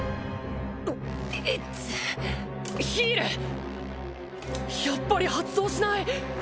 イテテヒールやっぱり発動しない！